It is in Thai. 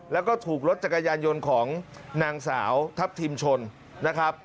แล้วก็ถูกรถจักรยานยนต์ของนางสาวทัพทิมชนนะครับ